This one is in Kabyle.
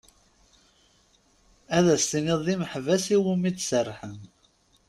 Ad as-tiniḍ d imeḥbas iwumi d-serḥen.